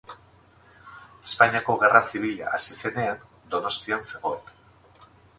Espainiako Gerra Zibila hasi zenean, Donostian zegoen.